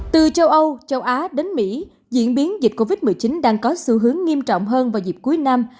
từ châu âu châu á đến mỹ diễn biến dịch covid một mươi chín đang có xu hướng nghiêm trọng hơn vào dịp cuối năm